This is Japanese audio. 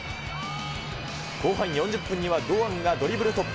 後半４０分には、堂安がドリブル突破。